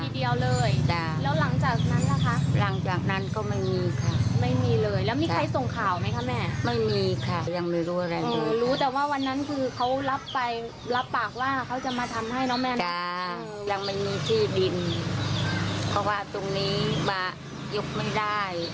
เพราะว่าตรงนี้มายกไม่ได้